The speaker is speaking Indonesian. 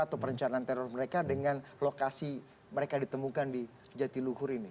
atau perencanaan teror mereka dengan lokasi mereka ditemukan di jatiluhur ini